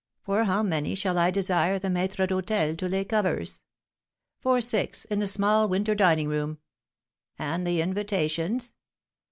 For how many shall I desire the maître d'hôtel to lay covers?" "For six, in the small winter dining room." "And the invitations?"